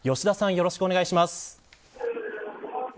よろしくお願いします。